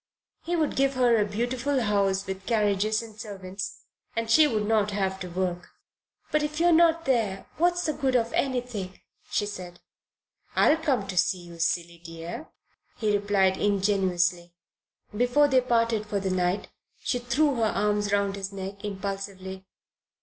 He would give her a beautiful house with carriages and servants, and she would not have to work. "But if you are not there, what's the good of anything?" she said. "I'll come to see you, silly dear," he replied ingenuously. Before they parted for the night she threw her arms round his neck impulsively.